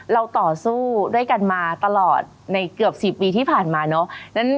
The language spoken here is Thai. ต่อสู้ด้วยกันมาตลอดในเกือบ๔ปีที่ผ่านมาเนอะ